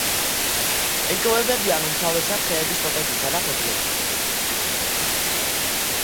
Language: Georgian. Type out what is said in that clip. იკვებებიან უმთავრესად ხეების ტოტებითა და ფოთლებით.